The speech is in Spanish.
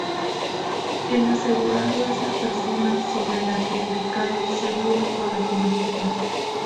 El asegurado es la persona sobre la que recae el seguro o la cobertura.